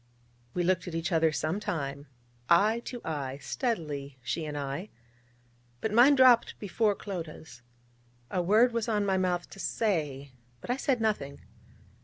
We looked at each other some time eye to eye, steadily, she and I: but mine dropped before Clodagh's. A word was on my mouth to say, but I said nothing.